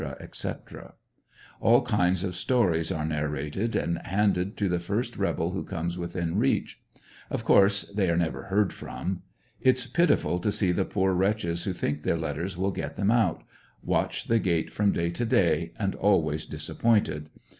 etc. All kinds of stories are narrated, and handed to the first rebel who comes within reach. Of course they are never heard from. It's pitiful to see the poor wretches who think their letters will get them out, watch the gate from day to day, and always disappointed.